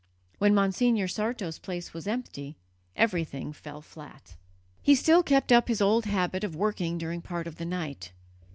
When Monsignor Sarto's place was empty, everything fell flat. He still kept up his old habit of working during part of the night.